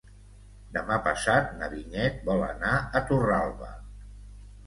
Demà passat na Vinyet vol anar a Torralba.